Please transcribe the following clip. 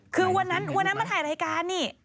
คือวันนั้นมาถ่ายรายการนี่